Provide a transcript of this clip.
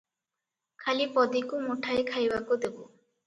ଖାଲି ପଦୀକୁ ମୁଠାଏ ଖାଇବାକୁ ଦେବୁ ।